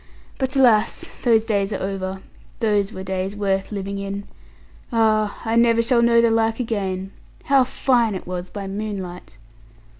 But alas, those days are over; those were days worth living in. Ah, I never shall know the like again. How fine it was by moonlight!'